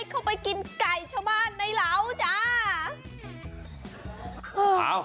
เข้าไปกินไก่ฉบาดในเราะจ้ะ